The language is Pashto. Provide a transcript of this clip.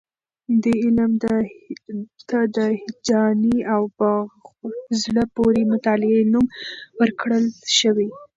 دې علم ته د هیجاني او په زړه پورې مطالعې نوم ورکړل شوی.